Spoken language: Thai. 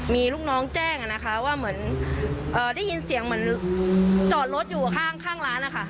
มีลูกน้องแจ้งนะคะว่าเหมือนได้ยินเสียงเหมือนจอดรถอยู่ข้างร้านนะคะ